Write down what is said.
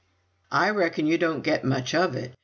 "I reckon you don't get much of it.